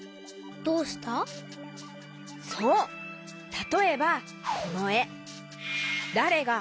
たとえばこのえ「だれが」